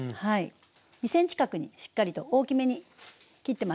２ｃｍ角にしっかりと大きめに切ってます。